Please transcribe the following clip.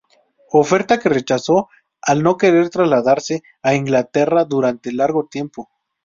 Oferta que rechazó al no querer trasladarse a Inglaterra durante largo tiempo.